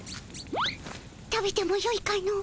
食べてもよいかの？